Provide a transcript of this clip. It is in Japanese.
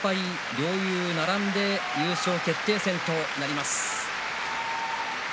両雄が並んで優勝決定戦となります。